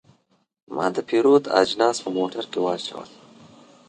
ما د پیرود اجناس په موټر کې واچول.